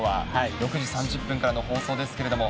６時３０分からの放送ですけれども。